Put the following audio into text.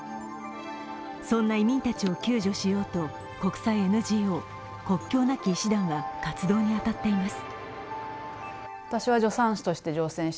そんな移民たちを救助しようと国際ＮＧＯ、国境なき医師団は活動に当たっています。